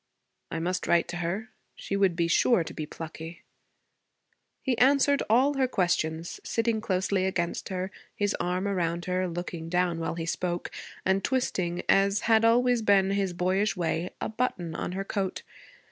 'I must write to her. She would be sure to be plucky.' He answered all her questions, sitting closely against her, his arm around her; looking down, while he spoke, and twisting, as had always been his boyish way, a button on her coat.